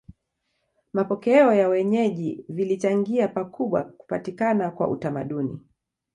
Mapokeo ya wenyeji vilichangia pakubwa kupatikana kwa utamaduni